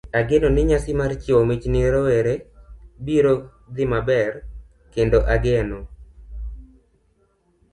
Ageno ni nyasi mar chiwo mich ne rowerewa biro dhi maber, kendo ageno